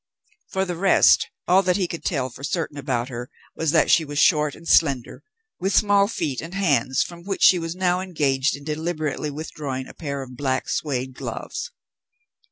For the rest, all that he could tell for certain about her was that she was short and slender, with small feet, and hands, from which she was now engaged in deliberately withdrawing a pair of black suede gloves.